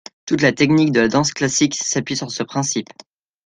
Toute la technique de la danse classique s'appuie sur ce principe.